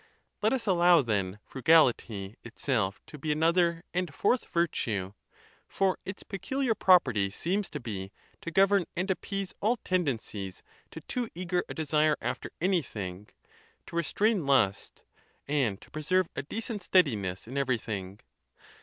Let us allow, then, frugality itself to be another and fourth virtue; for its peculiar property seems to be, to govern and appease all tendencies to too eager a desire after anything, to re strain lust, and to preserve a decent steadiness in every thing.